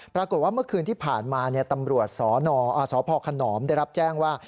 ปรากฏว่าเมื่อคืนที่ผ่านมาเนี่ยตำรวจสอหนออ่าสอพขนอมได้รับแจ้งว่า